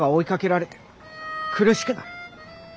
苦しくなる。